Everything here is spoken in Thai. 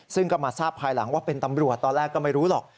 ซึ่งก็มาทราบภายหลังว่าเป็นตำรวจตอนแรกก็ไม่รู้หรอก